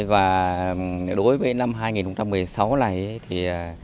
và đối với năm hai nghìn một mươi sáu này thì